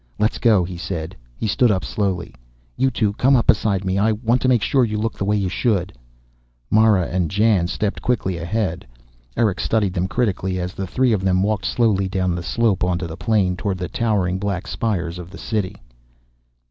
"Let's go," he said. He stood up slowly. "You two come up beside me. I want to make sure you look the way you should." Mara and Jan stepped quickly ahead. Erick studied them critically as the three of them walked slowly down the slope, onto the plain, toward the towering black spires of the City.